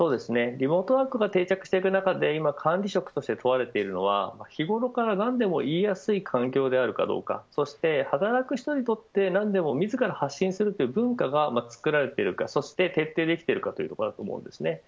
リモートワークが定着している中で管理職として問われているのは日ごろから何でも言いやすい環境であるかどうかそして働く人にとって何でも自ら発信するという文化が作られているかそして徹底できているかです。